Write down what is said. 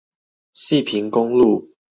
汐平公路